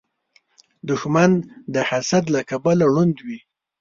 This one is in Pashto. دښمن د حسد له کبله ړوند وي